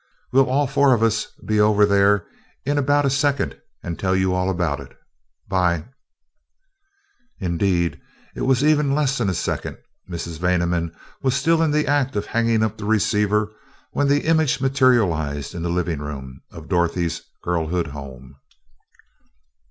We'll all four of us be over there in about a second and tell you all about it. 'Bye!" Indeed, it was even less than a second Mrs. Vaneman was still in the act of hanging up the receiver when the image materialized in the living room of Dorothy's girlhood home.